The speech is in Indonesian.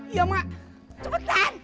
iya mbak cepetan